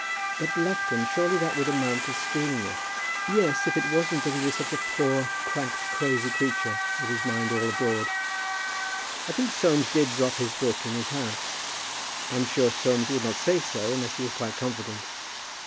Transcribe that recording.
"But, Lufton, surely that would amount to stealing it." "Yes, if it wasn't that he is such a poor, cracked, crazy creature, with his mind all abroad. I think Soames did drop his book in his house. I'm sure Soames would not say so unless he was quite confident.